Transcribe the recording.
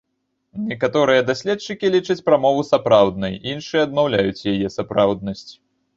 Некаторыя даследчыкі лічаць прамову сапраўднай, іншыя адмаўляюць яе сапраўднасць.